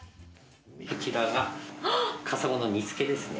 こちらがカサゴの煮付けですね。